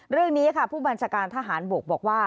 เรื่องนี้ค่ะผู้บัญชาการทหารบกบอกว่า